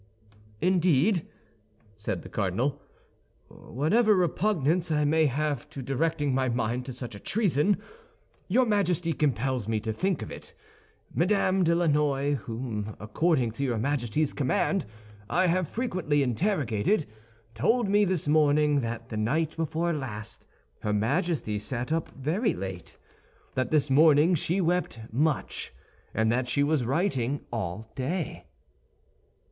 "Indeed," said the cardinal, "whatever repugnance I may have to directing my mind to such a treason, your Majesty compels me to think of it. Madame de Lannoy, whom, according to your Majesty's command, I have frequently interrogated, told me this morning that the night before last her Majesty sat up very late, that this morning she wept much, and that she was writing all day."